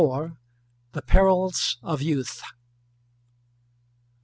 THE PERILS OF YOUTH.